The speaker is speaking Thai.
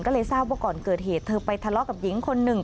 ก็เลยทราบว่าก่อนเกิดเหตุเธอไปทะเลาะกับหญิงคนหนึ่ง